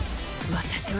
私は。